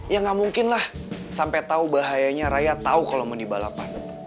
ya gak mungkin lah sampai tau bahayanya raya tau kalau mau di balapan